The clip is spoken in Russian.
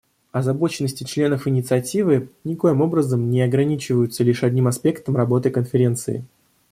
Озабоченности членов Инициативы никоим образом не ограничиваются лишь одним аспектом работы Конференции.